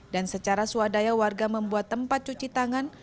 dan secara suadaya warga membuat tempat cuci tangan